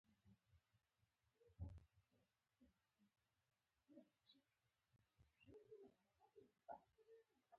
دوه لوی پیچونه د ساحې د پیداکولو لپاره کارول کیږي.